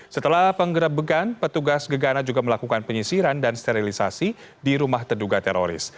setelah penggerebegan petugas gegana juga melakukan penyisiran dan sterilisasi di rumah terduga teroris